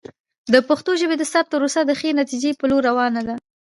د پښتو ژبې د ثبت پروسه د ښې نتیجې په لور روانه ده.